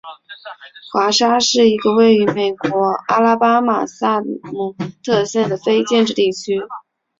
华沙是一个位于美国阿拉巴马州萨姆特县的非建制地区。